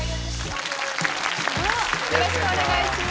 よろしくお願いします。